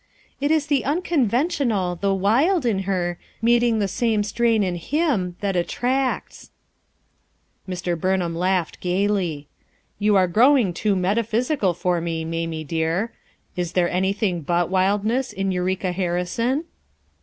"It is the unconventional, the wild in her, meet ing the same strain in him, that attracts." Mr. Burnham laughed gaily. "You are growing too metaphysical for me, Mamie dear; is there anything but wildness in Eureka Harri son?"